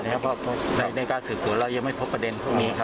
ก็แบบนี้ครับในการสื่อส่วนเรายังไม่พบประเด็นพวกนี้ครับ